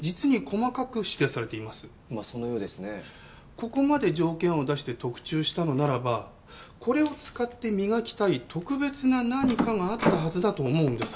ここまで条件を出して特注したのならばこれを使って磨きたい特別な何かがあったはずだと思うんです。